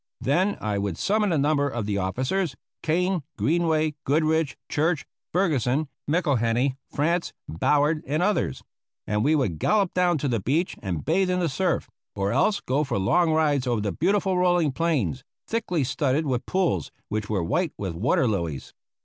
Then I would summon a number of the officers, Kane, Greenway, Goodrich, Church, Ferguson, McIlhenny, Frantz, Ballard and others, and we would gallop down to the beach and bathe in the surf, or else go for long rides over the beautiful rolling plains, thickly studded with pools which were white with water lilies.